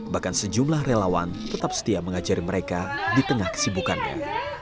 bahkan sejumlah relawan tetap setia mengajari mereka di tengah kesibukannya